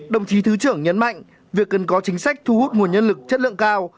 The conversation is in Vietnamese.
đồng chí thứ trưởng nhấn mạnh việc cần có chính sách thu hút nguồn nhân lực chất lượng cao